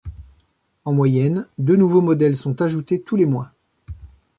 En moyenne, deux nouveaux modèles sont ajoutés tous les mois.